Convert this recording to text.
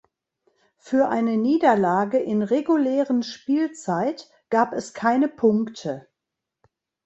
Für eine Niederlage in regulären Spielzeit gab es keine Punkte.